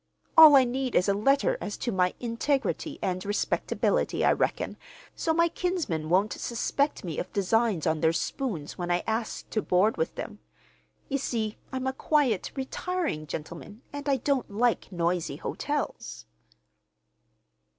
All I need is a letter as to my integrity and respectability, I reckon, so my kinsmen won't suspect me of designs on their spoons when I ask to board with them. You see, I'm a quiet, retiring gentleman, and I don't like noisy hotels."